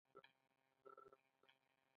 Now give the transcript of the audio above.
آیا دا سیمه ډیره ګرمه او وچه نه ده؟